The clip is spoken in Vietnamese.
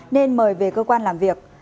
nên mời về cơ quan làm việc